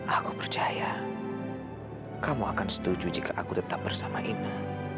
aku percaya kamu akan setuju jika aku tetap bersama ina